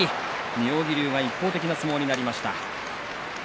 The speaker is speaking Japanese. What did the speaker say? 妙義龍が一方的な相撲になりました。